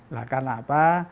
nah karena apa